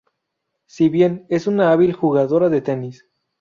Si bien, es una hábil jugadora de tenis.